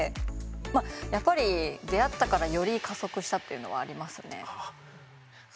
まあやっぱり出会ったからより加速したっていうのはありますね。